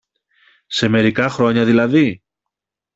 Σε μερικά χρόνια δηλαδή;